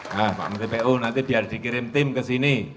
nah pak menteri pu nanti biar dikirim tim ke sini